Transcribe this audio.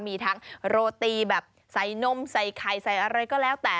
มีทั้งโรตีแบบใส่นมใส่ไข่ใส่อะไรก็แล้วแต่